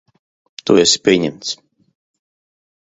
Tu esi pieņemts.